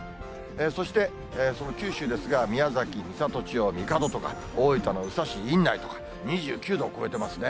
そして、その九州ですが、宮崎・美郷町神門とか大分の宇佐市院内とか、２９度を超えてますね。